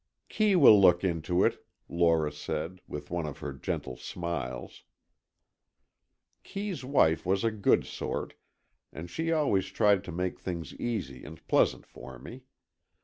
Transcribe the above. "Kee will look into it," Lora said, with one of her gentle smiles. Kee's wife was a good sort, and she always tried to make things easy and pleasant for me.